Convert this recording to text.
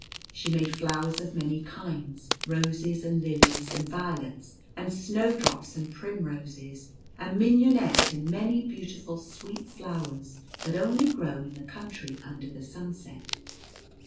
She made flowers of many kinds, roses and lilies, and violets, and snowdrops, and primroses, and mignonette, and many beautiful sweet flowers that only grow in the Country Under the Sunset.